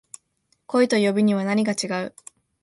恋と呼ぶにはなにか違う